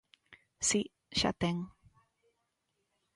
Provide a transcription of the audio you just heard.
Si, xa ten.